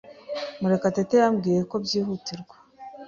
Murekatete yambwiye ko byihutirwa.